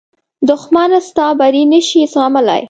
دښمن ستا بری نه شي زغملی